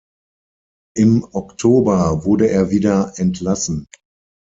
Im Oktober wurde er wieder entlassen.